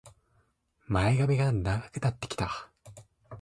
前髪が長くなってきた